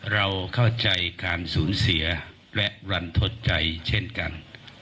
เราเข้าใจการสูญเสียและรันทดใจเช่นกัน